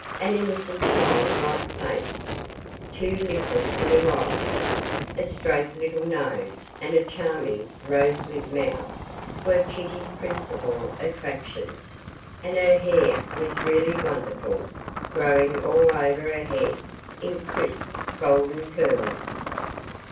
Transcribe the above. An innocent child like face, two limpid blue eyes, a straight little nose, and a charming rose lipped mouth were Kitty's principal attractions, and her hair was really wonderful, growing all over her head in crisp golden curls.